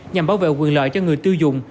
nhằm bảo vệ quyền lợi cho người tiêu dùng